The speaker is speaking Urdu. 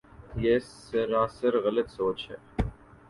یہ سراسر غلط سوچ ہے۔